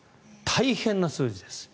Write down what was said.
大変な数字です。